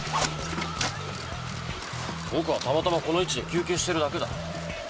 僕はたまたまこの位置で休憩してるだけだ。